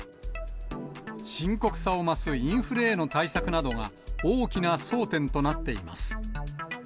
深刻さを増すインフレへの対策などが、大きな争点となっています。